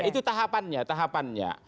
itu tahapannya tahapannya